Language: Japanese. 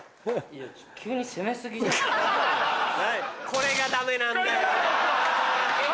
これがダメなんすよ！